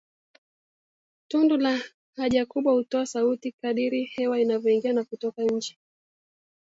Tundu la haja kubwa hutoa sauti kadiri hewa inavyoingia na kutoka nje